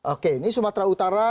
oke ini sumatera utara